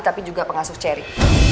tapi juga pengasuh ceri